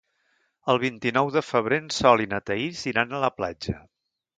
El vint-i-nou de febrer en Sol i na Thaís iran a la platja.